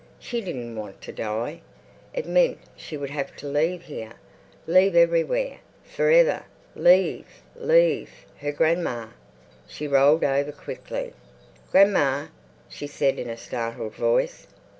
She didn't want to die. It meant she would have to leave here, leave everywhere, for ever, leave—leave her grandma. She rolled over quickly. "Grandma," she said in a startled voice.